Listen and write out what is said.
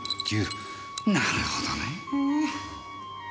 なるほどねぇ。